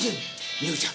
美保ちゃん